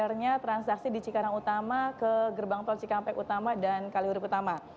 bergesernya transaksi di cikarang utama ke gerbang tol cikampek utama dan kali huruf utama